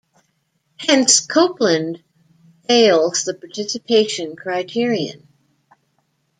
Hence, Copeland fails the Participation criterion.